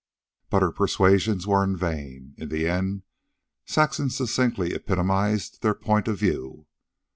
But her persuasions were in vain. In the end Saxon succinctly epitomized their point of view.